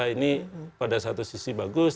ini pada satu sisi bagus